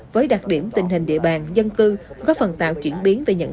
với đặc điểm tình hình địa bàn dân cư có phần tạo chuyển biến